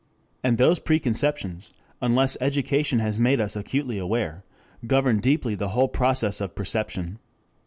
And those preconceptions, unless education has made us acutely aware, govern deeply the whole process of perception.